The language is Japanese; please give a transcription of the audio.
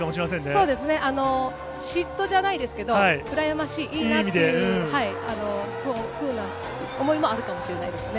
そうですね、嫉妬じゃないですけど、羨ましい、いいなっていうふうな思いもあるかもしれないですね。